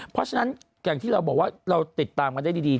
เพราะฉะนั้นอย่างที่เราบอกว่าเราติดตามกันได้ดี